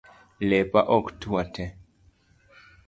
Lepa ok otuo tee